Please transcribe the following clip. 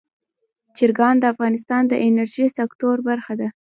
چرګان د افغانستان د انرژۍ سکتور برخه ده.